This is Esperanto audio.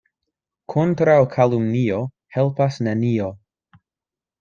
Kontraŭ kalumnio helpas nenio.